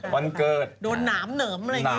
วันเกิดโดนหนามเหนิมอะไรอย่างนี้